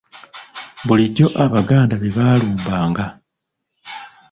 Bulijjo Abaganda be baalumbanga.